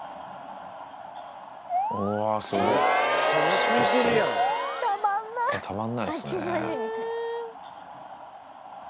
うわー、すごい。たまんないっすね。